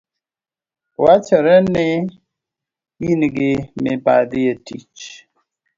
Wachore ni ingi mibadhi etich